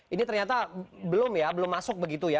ini ternyata belum ya belum masuk begitu ya